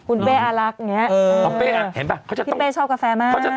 คุณเป๊อารักอย่างนี้พี่เป๊ชอบกาแฟมาก